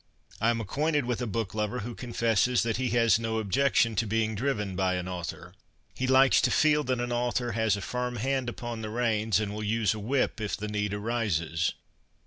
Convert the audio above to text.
I am acquainted with a book lover who confesses that he has no objection to being driven by an author. He likes to feel that an author has a firm hand upon the reins, and will use a whip if the need arises.